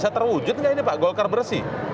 bisa terwujud nggak ini pak golkar bersih